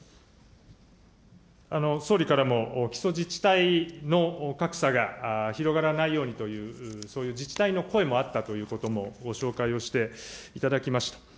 総理からも基礎自治体の格差が広がらないようにという、そういう自治体の声もあったということで、紹介をしていただきました。